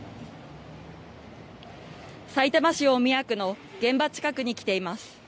さいたま市大宮区の現場近くに来ています。